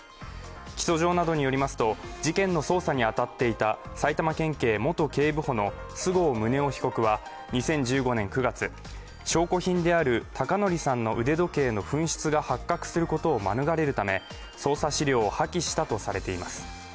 起訴状などによりますと、事件の捜査に当たっていた埼玉県警元警部補の須郷宗男被告は２０１５年９月、証拠品である孝徳さんの腕時計の紛失が発覚することを免れるため、捜査資料を破棄したとされています。